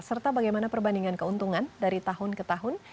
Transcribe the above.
serta bagaimana perbandingan keuntungan dari tahun ke tahun